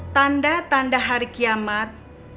tanda tanda hari kiamat